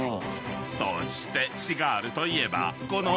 ［そしてシガールといえばこの］